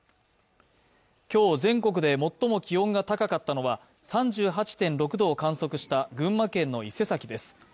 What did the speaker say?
今日、全国で最も気温が高かったのは、３８．６度を観測した群馬県の伊勢崎です。